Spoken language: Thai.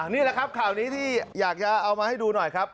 นี่แหละครับข่าวนี้ที่อยากจะเอามาให้ดูหน่อยครับ